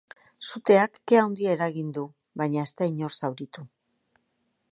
Suteak ke handia eragin du, baina ez da inor zauritu.